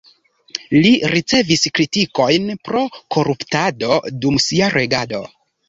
Li ricevis kritikojn pro koruptado dum sia regado.